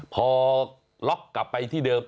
พอล็อกกลับไปที่เดิม